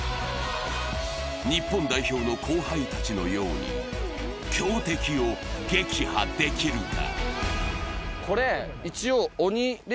日本代表の後輩たちのように、強敵を撃破できるか。